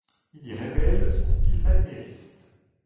Il y révèle son style maniériste.